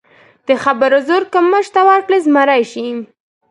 د خبرو زور که مچ ته ورکړې، زمری شي.